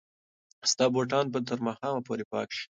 ستا بوټان به تر ماښامه پورې پاک شي.